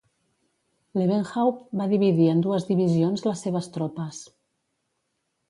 Lewenhaupt va dividir en dues divisions les seves tropes.